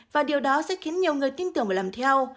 và điều đó sẽ khiến nhiều người tin tưởng và làm theo